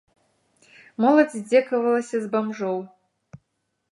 Моладзь здзекавалася з бамжоў.